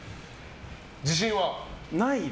自信は？